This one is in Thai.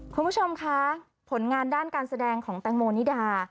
คุณผู้ชมคะผลงานด้านการแสดงของแตงโมนิดา